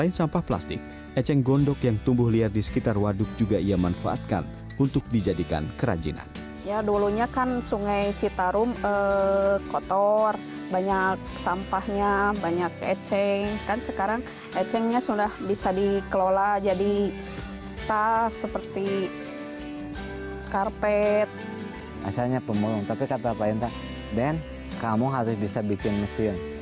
asalnya pemburung tapi kata pak hinta ben kamu harus bisa bikin mesin